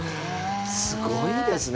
すごいですね。